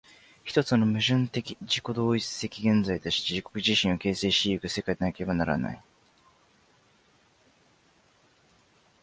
一つの矛盾的自己同一的現在として自己自身を形成し行く世界でなければならない。